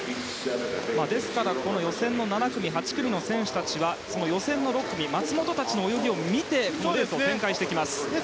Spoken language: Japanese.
ですから、予選の７組と８組の選手はその予選の６組松元たちの泳ぎを見てレースを展開してきます。